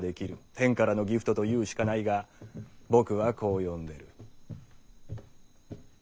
天からのギフトと言うしかないが僕はこう呼んでる。